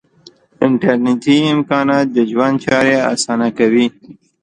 انټرنیټي امکانات د ژوند چارې آسانه کوي.